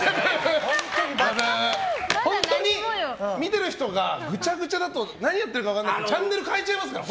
本当に、見てる人がぐちゃぐちゃだと何をやってるか分からなくてチャンネル変えちゃいますから。